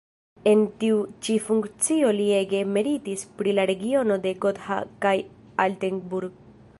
En tiu ĉi funkcio li ege meritis pri la regiono de Gotha kaj Altenburg.